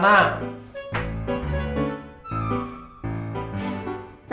saya belum pakai celana